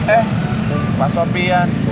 eh pak sopian